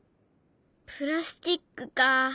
プラスチックかあ。